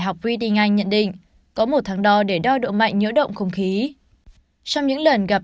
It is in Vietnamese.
học redding anh nhận định có một tháng đo để đo độ mạnh nhớ động không khí trong những lần gặp